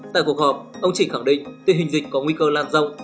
tại cuộc họp ông trình khẳng định tiền hình dịch có nguy cơ lan rộng